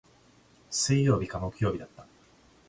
水曜日か木曜日だった。